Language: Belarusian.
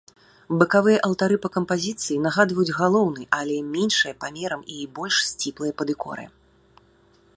Бакавыя алтары па кампазіцыі нагадваюць галоўны, але меншыя памерам і больш сціплыя па дэкоры.